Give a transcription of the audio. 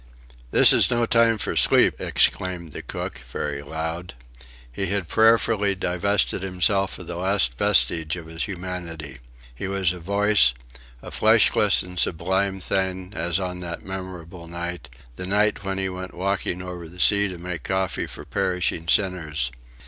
"This is no time for sleep!" exclaimed the cook, very loud. He had prayerfully divested himself of the last vestige of his humanity. He was a voice a fleshless and sublime thing, as on that memorable night the night when he went walking over the sea to make coffee for perishing sinners.